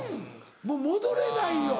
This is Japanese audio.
もう戻れないよ。